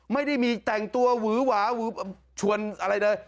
ไม่ได้มีแต่งตัวหวือหวาชวนอะไรเลย